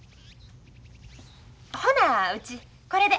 ほなうちこれで。